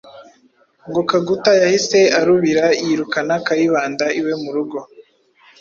Ngo Kaguta yahise arubira yirukana Kayibanda iwe mu rugo,